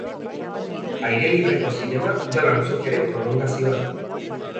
Aire libreko zinema udal antzokiaren prolongazioa da.